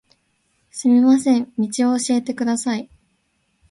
すみません、道を教えてください